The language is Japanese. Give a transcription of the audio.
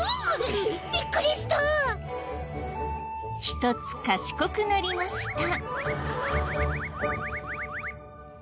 一つ賢くなりました。